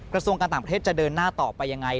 กระทรวงการต่างประเทศจะเดินหน้าต่อไปยังไง